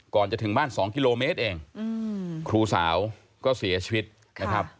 ก่อนจะถึงบ้าน๒กิโลเมตรเองครูสาวก็เสียชีวิตนะครับ